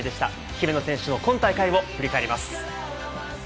姫野選手の今大会を振り返ります。